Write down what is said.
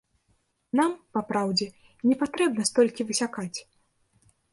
Нам, па праўдзе, не патрэбна столькі высякаць.